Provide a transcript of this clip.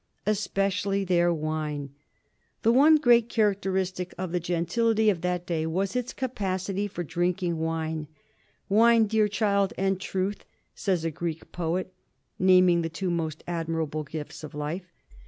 Especially their wine. The one great characteristic of the gentility of the day was its capacity for drinking wine. "Wine, dear child, and truth," says a Greek poet, naming the two most admirable gifts of life.